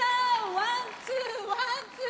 「ワン・ツーワン・ツー」